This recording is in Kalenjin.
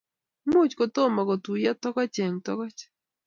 much kotomo kotuyo togoch eng' togoch